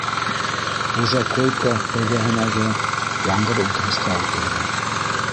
- Хужа койка эргәһенәге яңғыҙ ултырғысҡа ултырҙы.